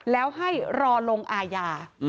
แล้วให้รอลงอาญา